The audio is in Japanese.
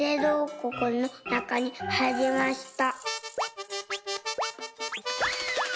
こくんのなかにはいりました」。